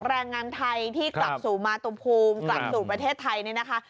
แรงงานไทยที่กลับสู่มาตุภูมิกลับสู่ประเทศไทยเนี่ยนะคะ